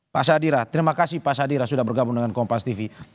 pak sadira terima kasih pak sadira sudah bergabung dengan kompas tv